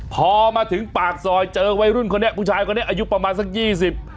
พอมาถึงปากซอยเจอวัยรุ่นคนนี้ผู้ชายคนนี้อายุประมาณสักยี่สิบ